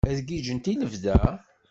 Ad giǧǧent i lebda?